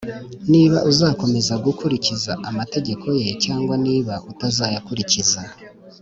niba uzakomeza gukurikiza amategeko ye cyangwa niba utazayakurikiza